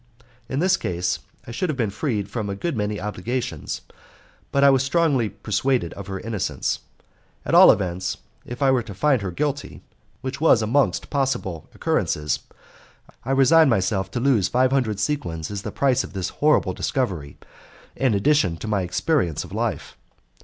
In this case I should have been freed from a good many obligations, but I was strongly persuaded of her innocence. At all events, if I were to find her guilty (which was amongst possible occurrences), I resigned myself to lose five hundred sequins as the price of this horrible discovery and addition to my experience of life.